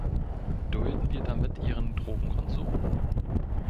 Dulden wir damit ihren Drogenkonsum?